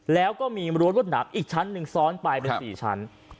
แล้วก็มีรั้วรวดหนามอีกชั้นหนึ่งซ้อนไปเป็น๔ชั้น